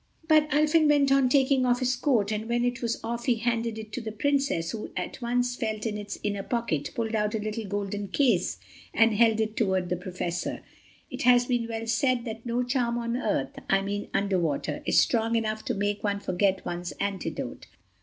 But Ulfin went on taking off his coat, and when it was off he handed it to the Princess, who at once felt in its inner pocket, pulled out a little golden case and held it toward the Professor. It has been well said that no charm on earth—I mean underwater—is strong enough to make one forget one's antidote.